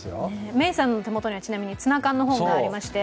メイさんの手元にはちなみにツナ缶の本がありまして。